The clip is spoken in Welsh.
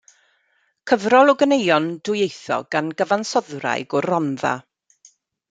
Cyfrol o ganeuon dwyieithog gan y gyfansoddwraig o'r Rhondda.